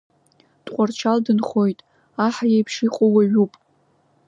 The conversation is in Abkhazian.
Тҟәарчал дынхоит, аҳ иеиԥш иҟоу уаҩуп.